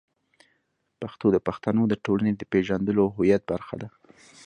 پښتو د پښتنو د ټولنې د پېژندلو او هویت برخه ده.